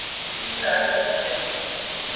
He died of the plague.